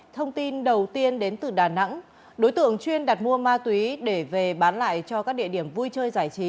thông tin đầu tiên đến từ đà nẵng đối tượng chuyên đặt mua ma túy để về bán lại cho các địa điểm vui chơi giải trí